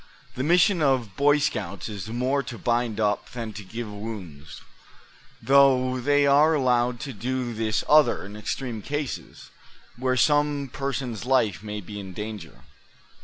"The mission of Boy Scouts is more to bind up, than to give wounds; though they are allowed to do this other in extreme cases, where some person's life may be in danger.